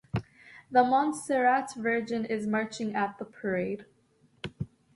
The Montserrat virgin is marching at the parade.